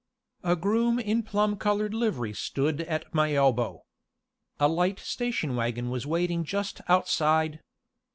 A groom in a plum colored livery stood at my elbow. A light station wagon was waiting just outside.